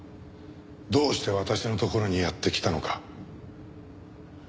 どうして私のところにやって来たのか。